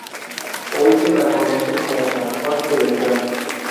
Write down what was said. Hoy se la conoce como San Juan de Letrán.